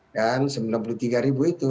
dan rp sembilan puluh tiga itu